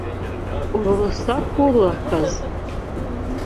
Uru rusaku rurakaze.